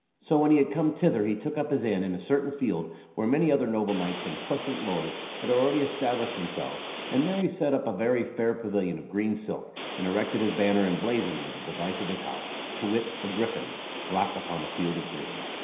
So, when he had come thither he took up his inn in a certain field where many other noble knights and puissant lords had already established them selves, and there he set up a very fair pavilion of green silk, and erected his banner emblazoned with the device of his house ; to wit, a gryphon, black, upon a field of green.